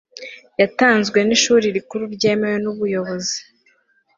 yatanzwe n ishuli rikuru ryemewe n ubuyobozi